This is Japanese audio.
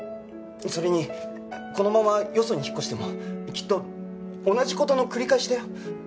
それにこのままよそに引っ越してもきっと同じ事の繰り返しだよ。